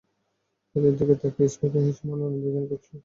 তাঁদের দিকে তাকিয়ে স্মিত হেসে মনের আনন্দই যেন প্রকাশ করেন তিনি।